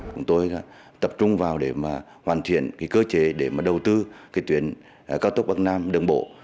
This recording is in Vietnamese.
chúng tôi tập trung vào để mà hoàn thiện cơ chế để mà đầu tư cái tuyến cao tốc bắc nam đường bộ